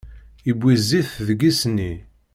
Iwwi zzit deg isni.